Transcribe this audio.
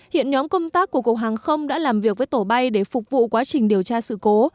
hiện nhóm công tác của cục hàng không đã làm việc với tổ bay để phục vụ quá trình điều tra sự cố